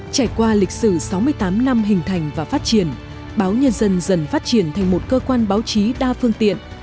trải qua lịch sử sáu mươi tám năm hình thành và phát triển báo nhân dân dần phát triển thành một cơ quan báo chí đa phương tiện